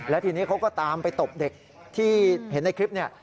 แล้วทีนี้เขาก็ตามไปตบเด็กที่เห็นในคลิปนี้